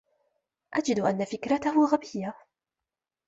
أجد أن فكرته غبيّة.